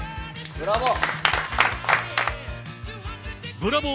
ブラボー！